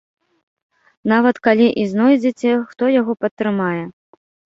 Нават калі і знойдзеце, хто яго падтрымае?